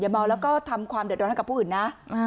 อย่าเมาแล้วก็ทำความเดิดดร้อนต่างกับผู้อื่นนะ